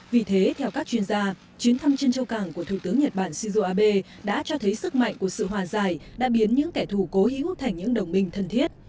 vì thế theo các chuyên gia chuyến thăm trên châu cảng của thủ tướng nhật bản shinzo abe đã cho thấy sức mạnh của sự hòa giải đã biến những kẻ thù cố hữu thành những đồng minh thân thiết